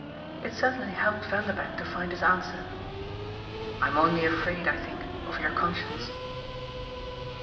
It certainly helped Vanderbank to find his answer. "I'm only afraid, I think, of your conscience."